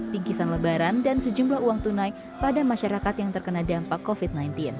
bingkisan lebaran dan sejumlah uang tunai pada masyarakat yang terkena dampak covid sembilan belas